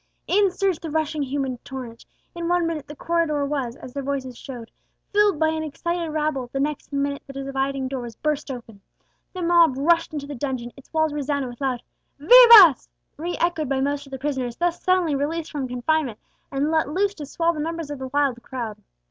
In surged the rushing human torrent; in one minute the corridor was, as their voices showed, filled by an excited rabble; the next minute the dividing door was burst open! The mob rushed into the dungeon, its walls resounded with loud vivas, re echoed by most of the prisoners thus suddenly released from confinement, and let loose to swell the numbers of the wild crowd.